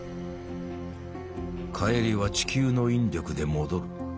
帰りは地球の引力で戻る。